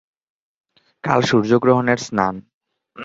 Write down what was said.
কাল সূর্যগ্রহণের স্নান।